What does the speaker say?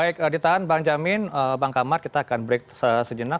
baik ditahan bang jamin bang kamar kita akan break sejenak